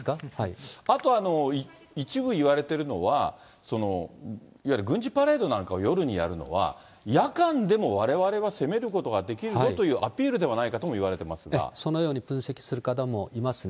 あと一部いわれてるのは、いわゆる軍事パレードなんかを夜にやるのは、夜間でもわれわれは攻めることができるよというアピールではないそのように分析する方もいますね。